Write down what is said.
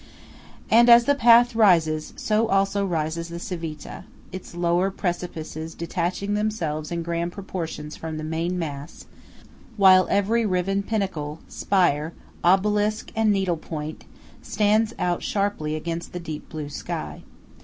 And as the path rises, so also rises the Civita, its lower precipices detaching themselves in grand proportions from the main mass, while every riven pinnacle, spire, obelisk and needle point, stands out sharply against the deep blue sky.